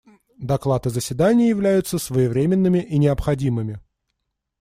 Доклад и заседание являются своевременными и необходимыми.